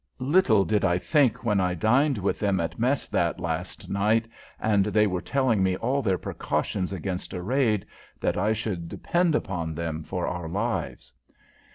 Little did I think, when I dined with them at mess that last night, and they were telling me all their precautions against a raid, that I should depend upon them for our lives."